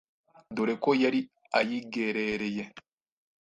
dore ko yari ayigerereye